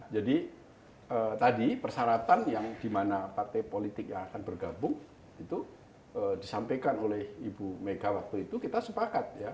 jadi tadi persyaratan yang dimana partai politik yang akan bergabung itu disampaikan oleh ibu mega waktu itu kita sepakat ya